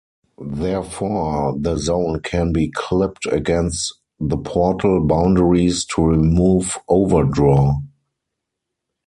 Therefore, the zone can be clipped against the portal boundaries to remove overdraw.